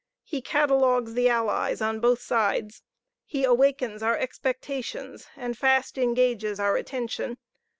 He catalogues the allies on both sides. He awakens our expectations, and fast engages our attention.